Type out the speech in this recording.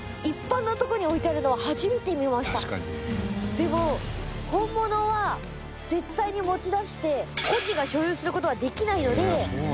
でも本物は絶対に持ち出して個人が所有する事はできないので。